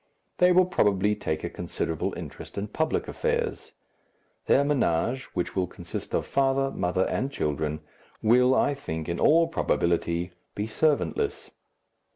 They will probably take a considerable interest in public affairs. Their ménage, which will consist of father, mother, and children, will, I think, in all probability, be servantless.